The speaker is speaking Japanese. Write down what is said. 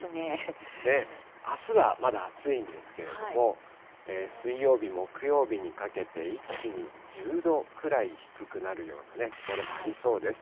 あすはまだ暑いんですけれども、水曜日、木曜日にかけて、一気に１０度くらい低くなるような所もありそうです。